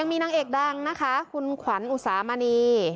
มีนางเอกดังนะคะคุณขวัญอุสามณี